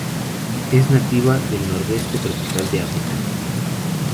Es nativa del nordeste tropical de África.